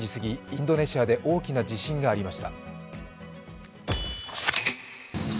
インドネシアで大きな地震がありました。